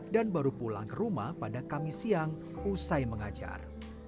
baru pulang ke rumah pada kamis siang usai mengajar